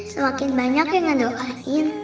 semakin banyak yang nendoain